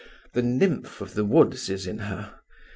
The nymph of the woods is in her.